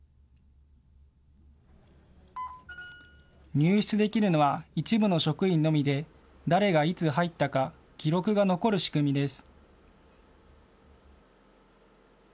入室できるのは一部の職員のみで誰がいつ入ったか記録が残る仕組みです。